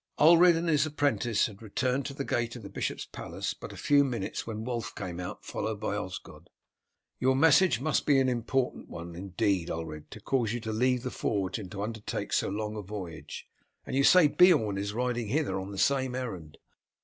Ulred and his apprentice had returned to the gate of the bishop's palace but a few minutes when Wulf came out, followed by Osgod. "Your message must be an important one, indeed, Ulred, to cause you to leave the forge and to undertake so long a voyage. And you say Beorn is riding hither on the same errand?"